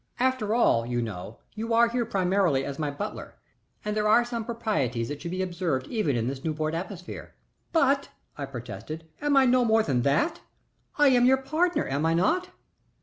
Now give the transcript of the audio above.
After all, you know, you are here primarily as my butler, and there are some proprieties that should be observed even in this Newport atmosphere." "But," I protested, "am I no more than that? I am your partner, am I not?"